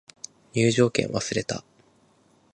入場券忘れた